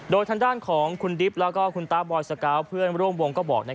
โดยทางด้านของคุณดิ๊บและคุณตาบอยส์เกาส์เพื่อนร่วมวงก็บอกว่า